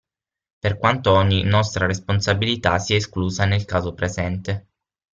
Per quanto ogni nostra responsabilità sia esclusa nel caso presente.